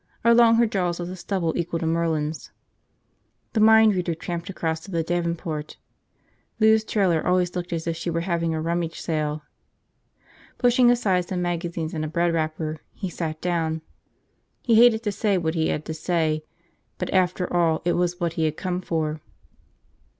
Along her jaws was a stubble equal to Merlin's. The mind reader tramped across to the davenport. Lou's trailer always looked as if she were having a rummage sale. Pushing aside some magazines and a bread wrapper, he sat down. He hated to say what he had to say, but after all it was what he had come for.